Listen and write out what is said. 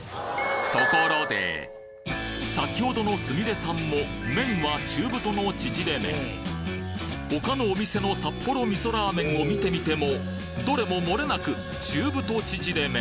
先ほどのすみれさんも麺は他のお店の札幌味噌ラーメンを見てみてもどれももれなく中太ちぢれ麺